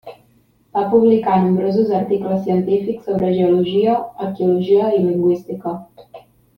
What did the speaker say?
Va publicar nombrosos articles científics sobre geologia, arqueologia i lingüística.